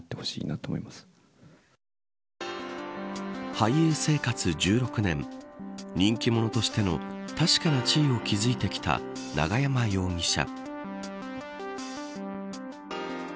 俳優生活１６年人気者としての確かな地位を築いてきた永山容疑者。